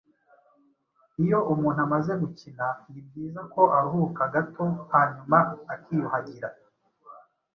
Iyo umuntu amaze gukina ni byiza ko aruhuka gato hanyuma akiyuhagira.